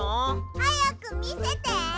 はやくみせて。